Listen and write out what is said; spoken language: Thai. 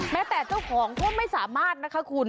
แม้แต่เจ้าของก็ไม่สามารถนะคะคุณ